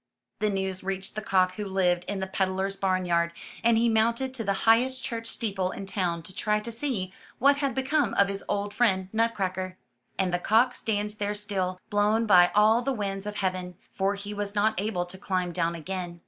109 MY BOOK HOUSE The news reached the cock who lived in the ped dler's barnyard, and he mounted to the highest church steeple in town to try to see what had become of his old friend Nutcracker. And the cock stands there still, blown by all the winds of heaven, for he was not able to climb down again.